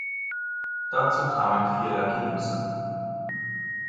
Dazu kamen vier Lucky Loser.